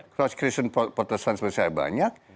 protestant protestant sebesar saya banyak